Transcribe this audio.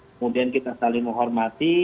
kemudian kita saling menghormati